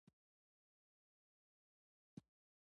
هغه ته ویل کیږي چې خزانه د اهرامونو ترڅنګ ده.